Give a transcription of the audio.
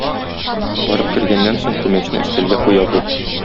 Барып кергәннән соң күмәчне өстәлгә куя бу.